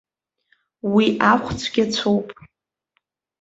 Уи ахә цәгьацәоуп.